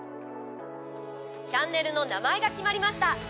チャンネルの名前が決まりました。